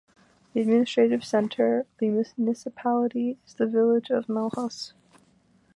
The administrative centre of the municipality is the village of Melhus.